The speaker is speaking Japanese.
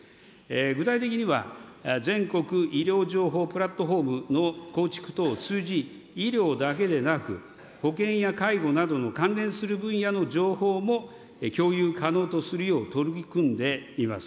具体的には全国医療情報プラットホームの構築等を通じ、医療だけでなく、保険や介護などの関連する分野の情報も共有可能とするよう、取り組んでいます。